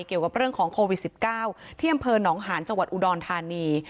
เกี่ยวกับเรื่องของโควิด๑๙ที่อำเภอหนองหาญจังหวัดอุดรธานี